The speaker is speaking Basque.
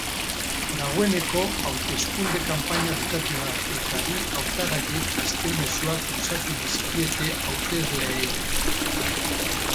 Dagoeneko hauteskunde kanpainia bukatu da eta bi hautagaiek azken mezuak luzatu dizkiete hautesleei.